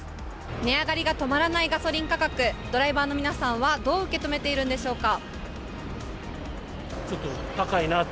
値上がりが止まらないガソリン価格、ドライバーの皆さんはどう受け止めているんでしょうか。